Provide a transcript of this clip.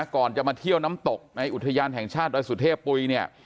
ก่อนจะมาเที่ยวน้ำตกในอุทยานแห่งชาติดอยสุเทพปุ๋ยเนี่ย